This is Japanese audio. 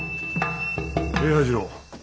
平八郎。